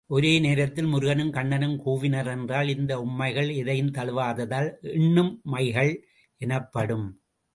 ஒரே நேரத்தில் முருகனும் கண்ணனும் கூவினர் என்றால், இந்த உம்மைகள் எதையும் தழுவாததால் எண்ணும்மைகள் எனப்படும்.